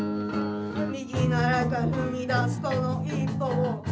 「『右へならえ』から踏み出すこの一歩を」